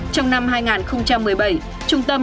trong năm hai nghìn một mươi bảy